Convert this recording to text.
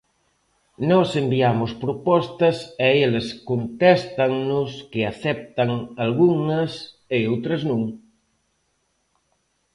Nós enviamos propostas e eles contéstannos que aceptan algunhas e outras non.